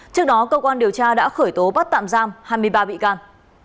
trước đó cơ quan điều tra đã khởi tố bắt tạm giam hai mươi ba bị can